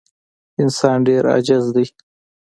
انسان ډېر عاجز دی.